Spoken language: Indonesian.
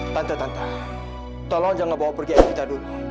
tante tante tolong jangan bawa pergi vita dulu